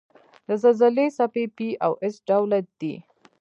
د زلزلې څپې P او S ډوله دي.